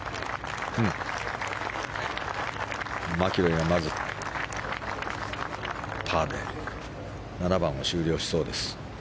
マキロイがまずパーで７番を終了しそうです。